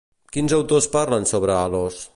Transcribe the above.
Quins autors parlen sobre Halos?